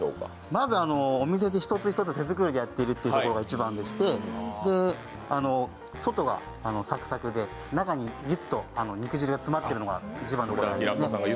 まずお店で一つ一つ手作りでやってるのが一番でして外はサクサクで中にギュッと肉汁が詰まっているのが一番で。